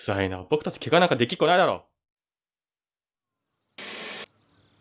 僕たちけがなんかできっこないだろ！